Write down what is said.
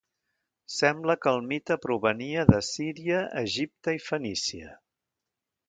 Sembla que el mite provenia d'Assíria, Egipte i Fenícia.